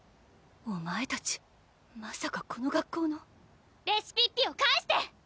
お前たちまさかこの学校のレシピッピを返して！